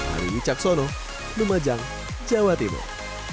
mami wicaksono demajang jawa timur